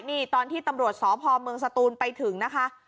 นี่ตอนที่ตำรวจสพเมืองสตูนไปถึงนะคะ